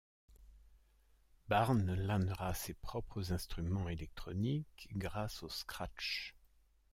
Barnes lanera ses propres instruments électroniques grâce au scratch.